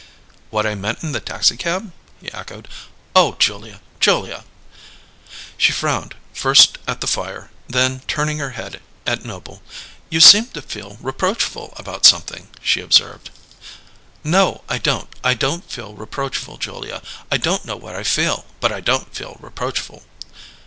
"What I meant in the taxicab?" he echoed. "Oh, Julia! Julia!" She frowned, first at the fire, then, turning her head, at Noble. "You seem to feel reproachful about something," she observed. "No, I don't. I don't feel reproachful, Julia. I don't know what I feel, but I don't feel reproachful."